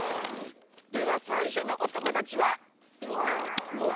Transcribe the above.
ではさいしょのおともだちは。